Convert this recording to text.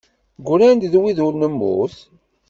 Gran-d wid ur nemmut?